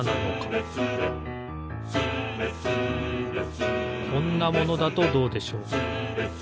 「スレスレ」こんなものだとどうでしょう？